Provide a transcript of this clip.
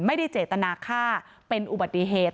ไม่ได้เจตนาฆ่าเป็นอุบัติเหตุ